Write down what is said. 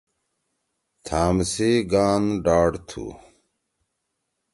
تھام سی گان ڈاڈ تُھو۔